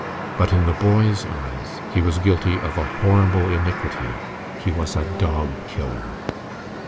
But in the boys' eyes he was guilty of a horrible iniquity. He was a dog killer.